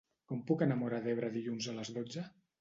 Com puc anar a Móra d'Ebre dilluns a les dotze?